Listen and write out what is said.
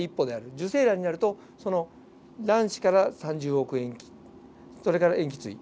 受精卵になるとその卵子から３０億塩基それから塩基対ですね。